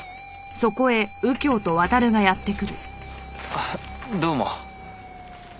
あっどうも。